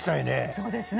そうですよね。